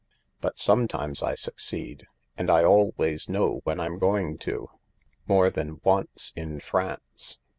But sometimes I succeed— and I always know when I'm going to. More than once in France